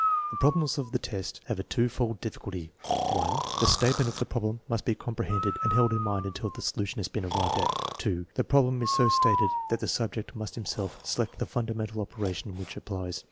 The problems of the test have a twofold difficulty: (1) The statement of the problem must be comprehended and held in mind until the solution has been arrived at; (2) the problem is so stated that the subject must himself select the fundamental operation which applies.